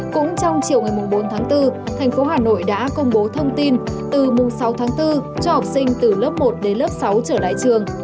cũng trong chiều ngày bốn tháng bốn thành phố hà nội đã công bố thông tin từ mùng sáu tháng bốn cho học sinh từ lớp một đến lớp sáu trở lại trường